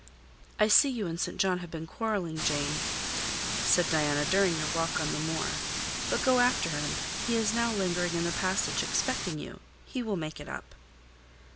"I see you and St. John have been quarrelling, Jane," said Diana, "during your walk on the moor. But go after him; he is now lingering in the passage expecting you—he will make it up."